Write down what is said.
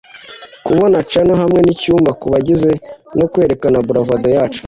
kubona canyon hamwe ninyumbu kubagenzi no kwerekana bravado yacu